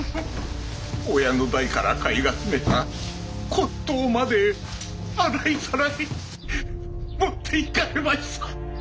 親の代から買い集めた骨とうまで洗いざらい持っていかれました。